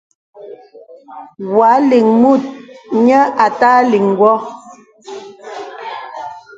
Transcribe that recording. Wa lìŋ mùt nyə àtà liŋ wɨ.